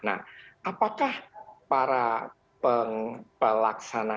nah apakah para pelaksana